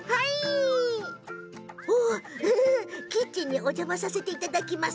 キッチンにお邪魔させていただきます。